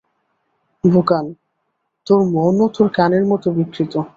বুকান, তোর মনও তোর কানের মতো বিকৃত।